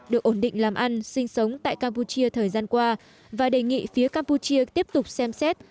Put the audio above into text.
được ổn định làm ăn sinh sống tại campuchia thời gian qua và đề nghị phía campuchia tiếp tục xem xét